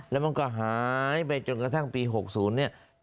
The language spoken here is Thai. แล้วมันก็หายไปจนกระทั่งปี๖๐เนี่ย